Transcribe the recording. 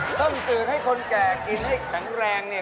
ต้มจืดให้คนแก่กินให้แข็งแรงเนี่ย